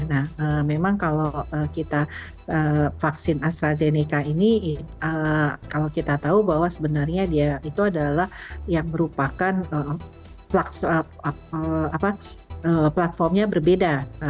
nah memang kalau kita vaksin astrazeneca ini kalau kita tahu bahwa sebenarnya dia itu adalah yang merupakan platformnya berbeda